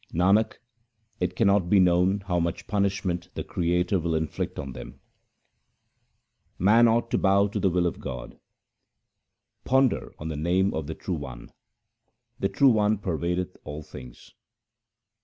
Nanak, it cannot be known how much punishment the Creator will inflict on them. HYMNS OF GURU AMAR DAS 201 Man ought to bow to the will of God :— Ponder on the name of the True One ; the True One pervadeth all things.